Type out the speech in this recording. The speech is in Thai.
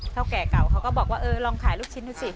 แก่เก่าเขาก็บอกว่าเออลองขายลูกชิ้นดูสิ